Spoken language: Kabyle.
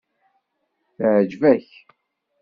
Teɛjeb-ak?